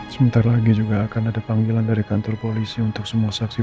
sebentar lagi juga akan ada panggilan dari kantor polisi untuk semua saksi